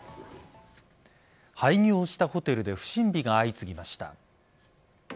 廃業したホテルで不審火が相次ぎました。